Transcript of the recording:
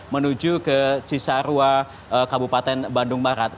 menuju ke cisarua kabupaten bandung barat